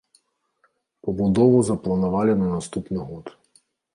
Пабудову запланавалі на наступны год.